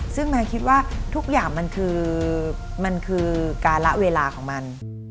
ซึ่งแมนคิดว่าทุกอย่างมันคือมันคือการละเวลาของมัน